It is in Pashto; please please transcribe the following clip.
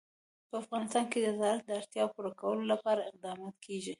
په افغانستان کې د زراعت د اړتیاوو پوره کولو لپاره اقدامات کېږي.